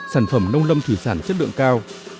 sản phẩm nông lâm thủy sản chất lượng cao